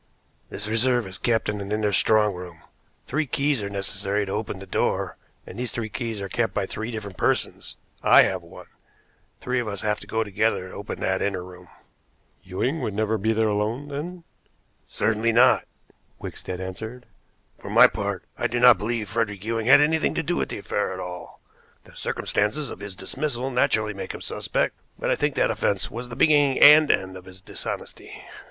"This reserve is kept in an inner strong room. Three keys are necessary to open the door, and these three keys are kept by three different persons. I have one. Three of us have to go together to open that inner room." "Ewing would never be there alone, then?" "Certainly not," Wickstead answered. "For my part, I do not believe Frederick Ewing had anything to do with the affair at all. The circumstances of his dismissal naturally make him suspect, but I think that offense was the beginning and end of his dishonesty."